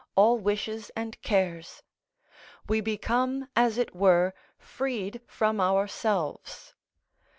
_, all wishes and cares; we become, as it were, freed from ourselves.